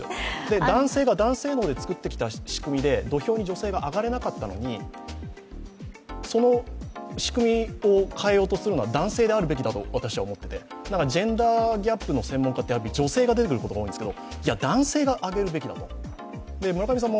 男性が男性脳で作ってきた仕組みの土俵で女性が上がってこれないのにその仕組みを変えようとするのは男性であるべきだと私は思っていて、ジェンダーギャップの専門家って女性が出てくることが多いんですけど、男性が上げるべきだと。